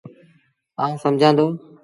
آئوٚݩ سمجھآݩ دو۔